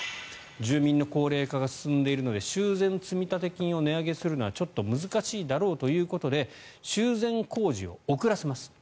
住民の高齢化が進んでいるので修繕積立金を値上げするのはちょっと難しいだろうということで修繕工事を遅らせます。